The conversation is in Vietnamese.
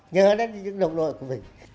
nhớ đến những đồng đội của mình